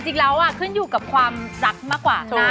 จริงแล้วขึ้นอยู่กับความรักมากกว่านะ